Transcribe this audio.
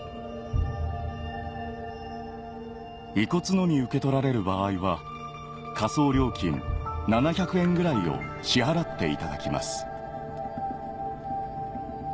「遺骨のみ受け取られる場合は火葬料金７００円ぐらいを支払っていただきます」